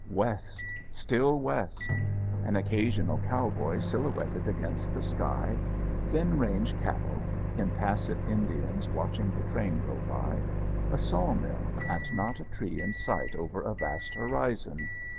West. Still west. An occasional cowboy silhouetted against the sky; thin range cattle; impassive Indians watching the train go by; a sawmill, and not a tree in sight over a vast horizon!